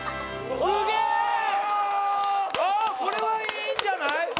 これはいいんじゃない？